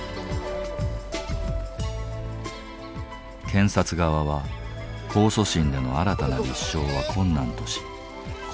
検察側は「控訴審での新たな立証は困難」とし控訴を断念。